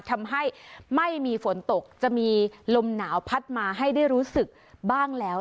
ทำให้ไม่มีฝนตกจะมีลมหนาวพัดมาให้ได้รู้สึกบ้างแล้ว